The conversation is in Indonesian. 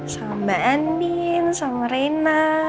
sama mbak andien sama ren